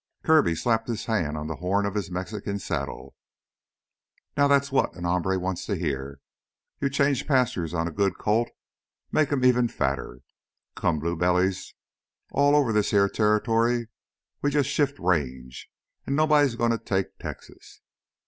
Kirby slapped his hand on the horn of his Mexican saddle. "Now that's what an hombre wants to hear. You change pasture on a good colt, makes him even fatter! Come blue bellies all ovah this heah territory, we jus' shift range. An' nobody gonna take Texas!